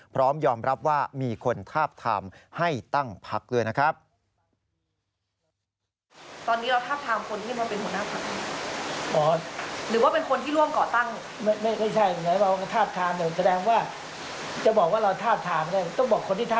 พร้อมยอมรับว่ามีคนทาบทามให้ตั้งพักด้วยนะครับ